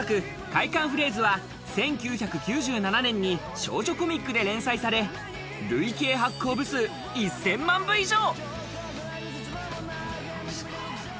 『快感フレーズ』は１９９７年に少女コミックで連載され、累計発行部数１０００万部以上。